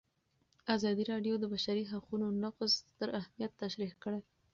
ازادي راډیو د د بشري حقونو نقض ستر اهميت تشریح کړی.